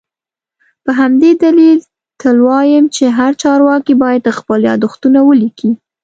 په همدې دلیل تل وایم چي هر چارواکی باید خپل یادښتونه ولیکي